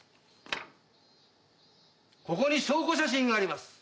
ここに証拠写真があります。